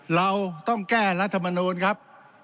เราต้องแก้รัฐมนูลครับ